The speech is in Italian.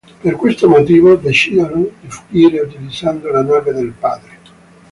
Per questo motivo decidono di fuggire utilizzando la nave del padre.